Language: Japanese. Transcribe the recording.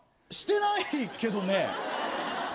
してないけどね。